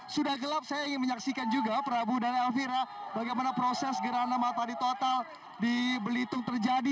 sudah gelap saya ingin menyaksikan juga prabu dan elvira bagaimana proses gerhana matahari total di belitung terjadi